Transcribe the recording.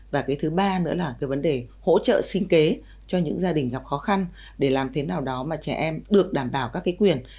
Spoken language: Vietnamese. và cái thứ ba nữa là cái vấn đề hỗ trợ sinh kế cho những gia đình gặp khó khăn để làm thế nào đó mà trẻ em được đảm bảo các cái quyền